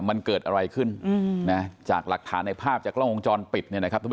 มันเกิดอะไรขึ้นจากหลักฐานในภาพจากกล้ององค์จรปิด